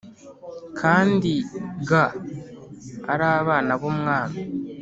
kandi ga ari abana b’umwami,